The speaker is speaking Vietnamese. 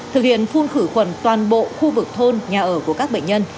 thực hiện phun khử khuẩn toàn bộ khu vực thôn nhà ở của các bệnh nhân